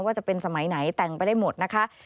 ว่าจะเป็นสมัยไหนแต่งไปได้หมดนะคะ